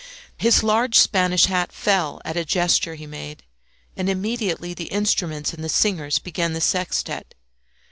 His large Spanish hat fell at a gesture he made, and immediately the instruments and the singers began the sextet.